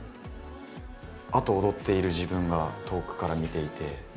あと踊っている自分が遠くから見ていて。